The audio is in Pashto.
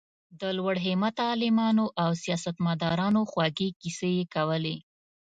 د لوړ همته عالمانو او سیاست مدارانو خوږې کیسې یې کولې.